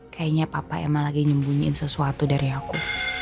kayaknya papa emang lagi nyembunyiin sesuatu dari aku